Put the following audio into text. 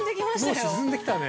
◆もう沈んできたね。